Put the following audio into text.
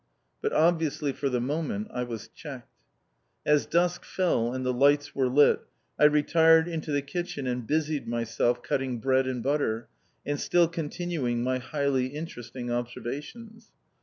But obviously for the moment I was checked. As dusk fell and the lights were lit, I retired into the kitchen and busied myself cutting bread and butter, and still continuing my highly interesting observations.